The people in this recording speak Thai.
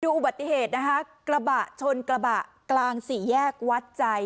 อุบัติเหตุนะคะกระบะชนกระบะกลางสี่แยกวัดใจ